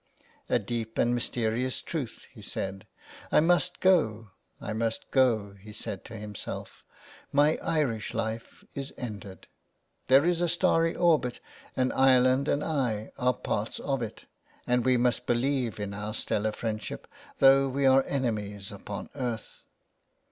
" A deep and mysterious truth," he said, '' I must go, I must go,'' he said to himself. " My Irish life is ended. There is a starry orbit and Ireland and I are parts of it, ' and we must believe in our stellar friendship though we are enemies upon earth.'